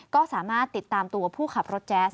ก็สามารถติดตามตัวผู้ขับรถแจ๊ส